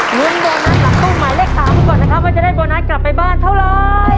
ลุ้นโบนัสหลังตู้หมายเลข๓ก่อนนะครับว่าจะได้โบนัสกลับไปบ้านเท่าไร